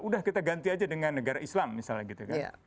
udah kita ganti aja dengan negara islam misalnya gitu kan